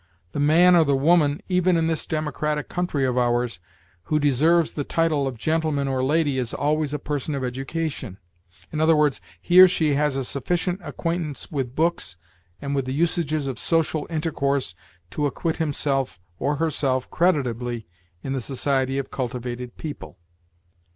The man or the woman even in this democratic country of ours who deserves the title of gentleman or lady is always a person of education; i. e., he or she has a sufficient acquaintance with books and with the usages of social intercourse to acquit himself or herself creditably in the society of cultivated people.